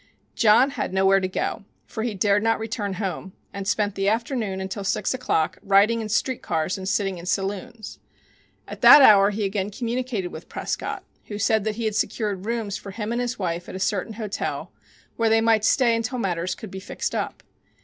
John had nowhere to go, for he dared not return home, and spent the afternoon until six o'clock riding in street cars and sitting in saloons. At that hour he again communicated with Prescott, who said that he had secured rooms for him and his wife at a certain hotel, where they might stay until matters could be fixed up.